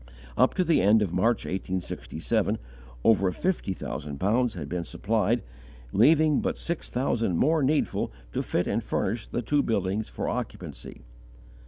Up to the end of March, 1867, over fifty thousand pounds had been supplied, leaving but six thousand more needful to fit and furnish the two buildings for occupancy.